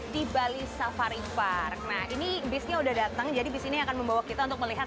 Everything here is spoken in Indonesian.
di bali safari var nah ini bisnya udah datang jadi bis ini akan membawa kita untuk melihat